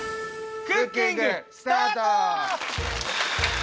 クッキングスタート。